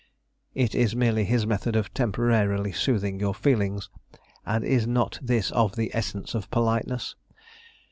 It is merely his method of temporarily soothing your feelings, and is not this of the essence of politeness?